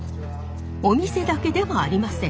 お店だけではありません。